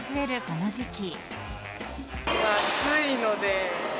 この時期。